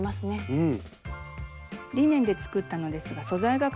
うん！